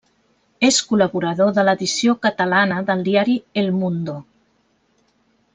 És col·laborador de l'edició catalana del diari El Mundo.